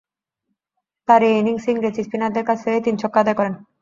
তার এ ইনিংসে ইংরেজ স্পিনারদের কাছ থেকে তিন ছক্কা আদায় করেন।